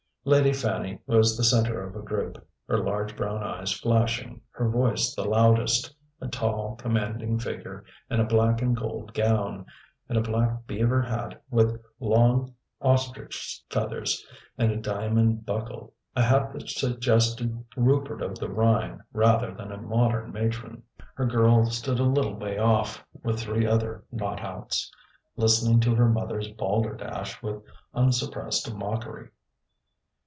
Lady Fanny was the centre of a group, her large brown eyes flashing, her voice the loudest, a tall, commanding figure in a black and gold gown, and a black beaver hat with long ostrich feathers and a diamond buckle, a hat that suggested Rupert of the Rhine rather than a modern matron. Her girl stood a little way off, with three other not outs, listening to her mother's "balderdash" with unsuppressed mockery.